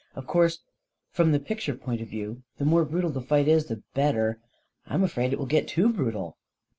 Of course, from the picture point of view, the more brutal the fight is the better — I'm afraid it will get too brutal."